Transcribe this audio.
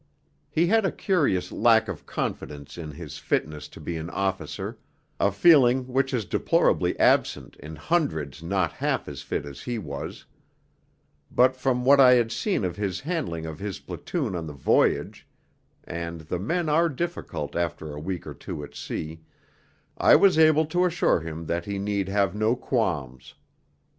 He had a curious lack of confidence in his fitness to be an officer a feeling which is deplorably absent in hundreds not half as fit as he was; but from what I had seen of his handling of his platoon on the voyage (and the men are difficult after a week or two at sea) I was able to assure him that he need have no qualms.